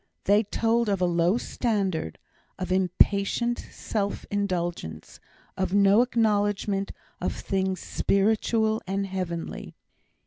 They told of a low standard, of impatient self indulgence, of no acknowledgment of things spiritual and heavenly.